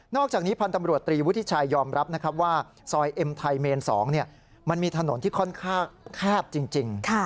อกจากนี้พันธ์ตำรวจตรีวุฒิชัยยอมรับนะครับว่าซอยเอ็มไทยเมน๒มันมีถนนที่ค่อนข้างแคบจริง